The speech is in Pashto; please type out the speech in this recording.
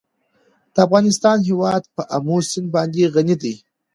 د افغانستان هیواد په آمو سیند باندې غني دی.